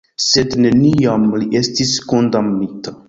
Sed neniam li estis kondamnita.